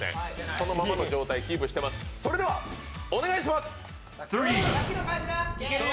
そのままの状態をキープしています、お願いします！